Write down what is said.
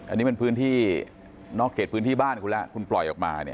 อันนี้เป็นพื้นที่นอกเขตพื้นที่บ้านคุณแล้วคุณปล่อยออกมา